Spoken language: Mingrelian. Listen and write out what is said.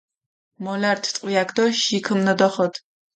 მოლართ ტყვიაქ დო ჟი ქჷმნოდოხოდ.